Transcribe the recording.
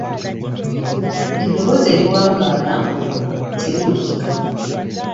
Eddoboozi eriwangaala teriwulikika